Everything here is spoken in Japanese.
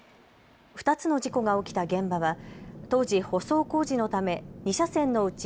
２つの事故が起きた現場は当時、舗装工事のため２車線のうち